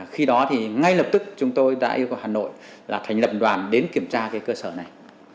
khi đó ngay lập tức chúng tôi đã yêu cầu hà nội thành lập đoàn đến kiểm tra cơ sở này